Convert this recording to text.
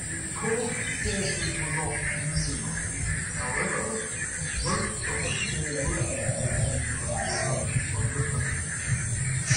Because porters were not unionized, however, most suffered poor working conditions and were underpaid.